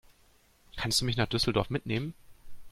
Kannst du mich nach Düsseldorf mitnehmen?